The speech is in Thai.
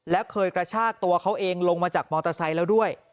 และเคยกระชากตัวเขาเองลงมาจากมอเตอร์ไซค์แล้วด้วย